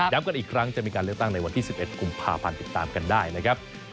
กันอีกครั้งจะมีการเลือกตั้งในวันที่๑๑กุมภาพันธ์ติดตามกันได้นะครับ